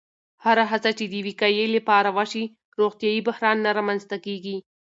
هره هڅه چې د وقایې لپاره وشي، روغتیایي بحران نه رامنځته کېږي.